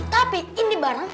tapi ini barang